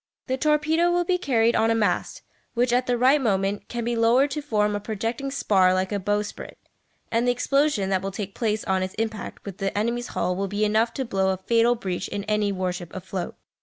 The torpedo will be carried on a mast, which at the right moment can be lowered to form a projecting spar like a bowsprit; and the explosion that will take place on its impact with the enemy's hull will be enough to blow a fatal breach in any warship afloat.